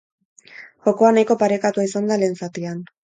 Jokoa nahiko parekatua izan da lehen zatian.